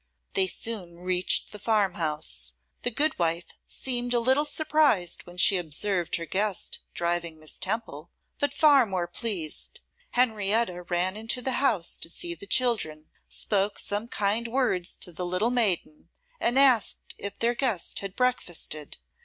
They soon reached the farm house. The good wife seemed a little surprised when she observed her guest driving Miss Temple, but far more pleased. Henrietta ran into the house to see the children, spoke some kind words to the little maiden, and asked if their guest had breakfasted.